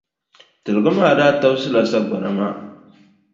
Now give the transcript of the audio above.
Tiligi maa daa tabisila sagbana maa.